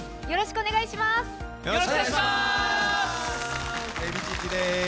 よろしくお願いします